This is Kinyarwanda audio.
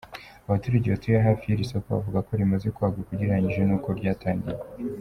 Abaturage batuye hafi y’iri soko bavuga ko rimaze kwaguka ugereranyije n’uko ryatangiye.